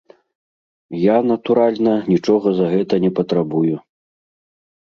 Я, натуральна, нічога за гэта не патрабую.